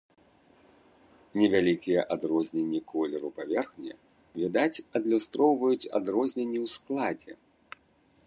Невялікія адрозненні колеру паверхні, відаць, адлюстроўваюць адрозненні ў складзе.